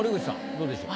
どうでしょう？